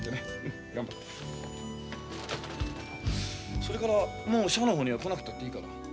それからもう社の方には来なくたっていいから。